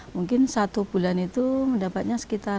mungkin satu bulan itu mendapatnya sekitar